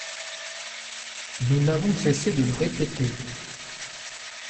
Nous n’avons cessé de le répéter.